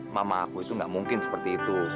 mama aku itu nggak mungkin seperti itu